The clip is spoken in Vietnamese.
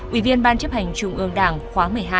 ủy viên ban chấp hành trung ương đảng khóa một mươi hai